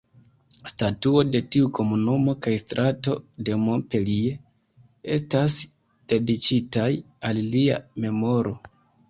Statuo de tiu komunumo kaj strato de Montpellier estas dediĉitaj al lia memoro.